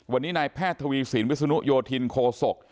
วันนี้นายแพทย์ทวีสินวิศนุโยธินโคศก